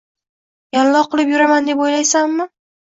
Yallo qilib yuraman deb o`ylayapsanmi